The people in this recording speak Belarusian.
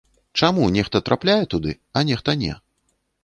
Чаму нехта трапляе туды, а нехта не?